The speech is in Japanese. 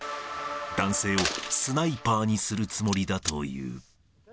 男性をスナイパーにするつもりだという。